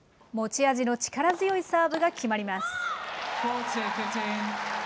持ち味の力強いサーブが決まります。